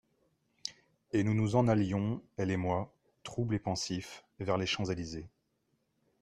Et nous nous en allions, elle et moi, trouble et pensifs, vers les Champs-Elysees.